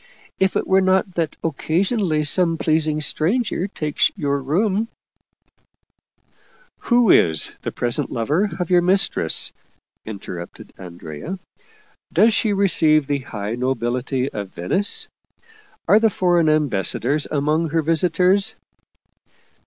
If it were not that occasionally some pleasing stranger takes your room "" Who is the present lover of your mistress ?" interrupted Andrea. "Does she receive the high nobility of Venice? Are the foreign ambassadors among her visitors